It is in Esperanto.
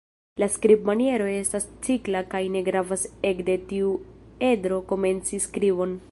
La skribmaniero estas cikla kaj ne gravas ekde kiu edro komenci skribon.